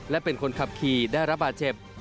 และเป็นคนขับขี่ได้รับบาดเจ็บ